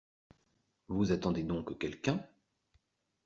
Vous attendez donc quelqu’un ?